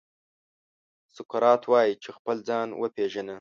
سقراط وايي چې خپل ځان وپېژنه.